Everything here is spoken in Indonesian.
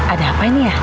ada apa ini ya